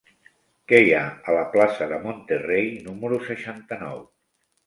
Què hi ha a la plaça de Monterrey número seixanta-nou?